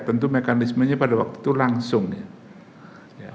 tentu mekanismenya pada waktu itu langsung ya